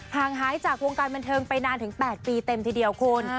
งหายจากวงการบันเทิงไปนานถึง๘ปีเต็มทีเดียวคุณ